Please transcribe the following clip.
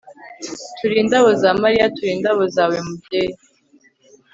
turi indabo za mariya turi indabo zawe, mubyeyi